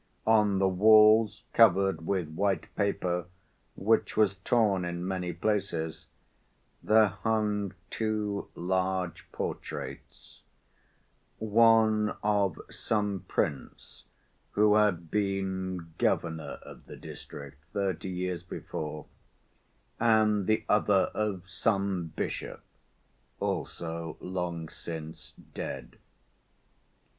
On the walls, covered with white paper, which was torn in many places, there hung two large portraits—one of some prince who had been governor of the district thirty years before, and the other of some bishop, also long since dead.